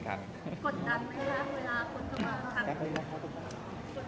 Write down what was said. กดดันก็หรืออะไร